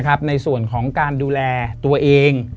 นะครับในส่วนของการดูแลตัวเอง